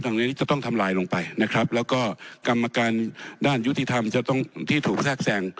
อย่างนี้จะต้องทำลายลงไปนะครับแล้วก็กรรมการด้านยุติธรรมจะต้องที่ถูกแทรกแทรง